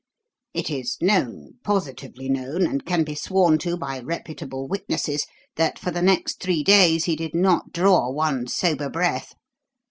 It is known positively known, and can be sworn to by reputable witnesses that for the next three days he did not draw one sober breath.